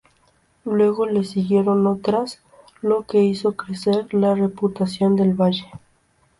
Luego le siguieron otras, lo que hizo crecer la reputación del valle.